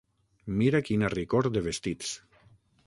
Mira quina ricor de vestits.